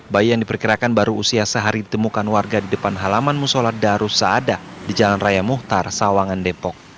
bayi yang diperkirakan baru usia sehari ditemukan warga di depan halaman musola darussada di jalan raya muhtar sawangan depok